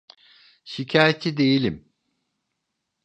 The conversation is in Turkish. Şikayetçi değilim.